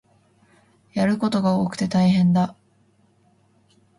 やることが多くて大変だ